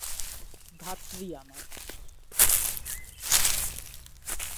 ধাত্রী আমার!